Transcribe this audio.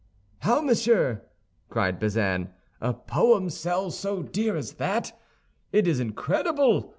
"How, monsieur?" cried Bazin, "a poem sell so dear as that! It is incredible!